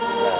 kamu mau gak